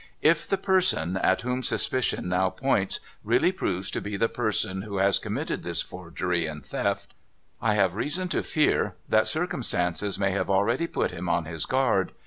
' If the person, at whom suspicion now points, really proves to be the person who has committed this forgery and theft, I have reason to fear that circumstances may have already put him on his guard.